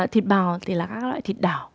thịt bò thì là các loại thịt đảo